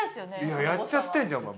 やっちゃってんじゃんお前。